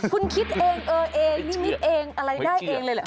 คุณคิดเองเออเองนิมิตเองอะไรได้เองเลยเหรอ